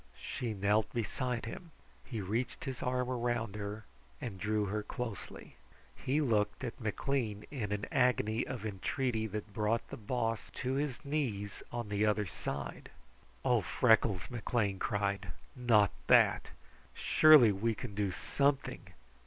She knelt beside him. He reached his arm around her and drew her closely. He looked at McLean in an agony of entreaty that brought the Boss to his knees on the other side. "Oh, Freckles!" McLean cried. "Not that! Surely we can do something!